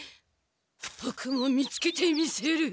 ボクも見つけてみせる！